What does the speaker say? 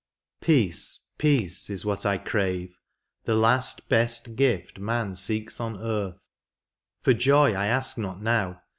Peace, peace, is what I crave, the last, best gift Man seeks on earth, for joy I ask not now.